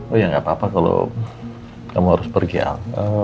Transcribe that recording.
oh ya nggak apa apa kalau kamu harus pergi